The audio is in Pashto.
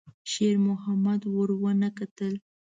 شېرمحمد ور ونه کتل.